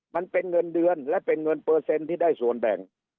มันเป็นเงินเดือนและเป็นเงินเปอร์เซ็นต์ที่ได้ส่วนแบ่ง